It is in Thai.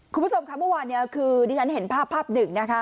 คุณผู้ชมค่ะเมื่อวานนี้คือดิฉันเห็นภาพภาพหนึ่งนะคะ